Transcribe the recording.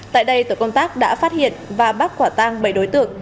tại đây tổ công tác đã phát hiện và bắt quả tang bảy đối tượng